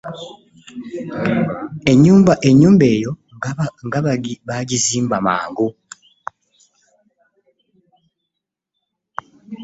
Ennyumba eyo nga bagizimba mangu.